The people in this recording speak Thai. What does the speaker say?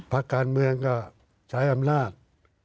พักการเมืองก็ใช้อำนาจ